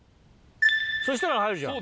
そしたら入るじゃん。